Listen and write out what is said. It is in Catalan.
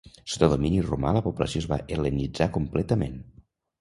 Sota domini romà la població es va hel·lenitzar completament.